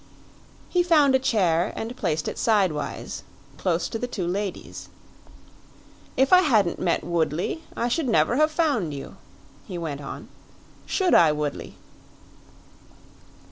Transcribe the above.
He found a chair and placed it sidewise, close to the two ladies. "If I hadn't met Woodley I should never have found you," he went on. "Should I, Woodley?"